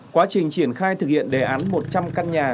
quá trình triển khai thực hiện đề án một trăm linh căn nhà